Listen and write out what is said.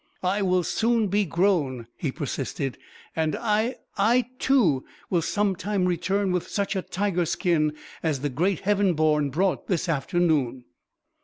"I will soon be grown," he persisted, "and I I, too will some time return with such a tiger skin as the great Heaven born brought this afternoon."